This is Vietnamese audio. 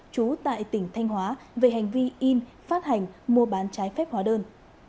trú tại tỉnh thanh hóa về hành vi in phát hành mua bán trái phép hóa đơn